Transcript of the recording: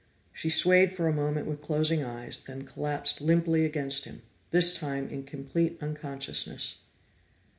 She swayed for a moment with closing eyes, then collapsed limply against him, this time in complete unconsciousness.